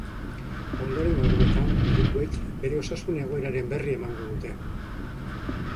Ondorengo orduetan medikuek bere osasun egoeraren berri emango dute.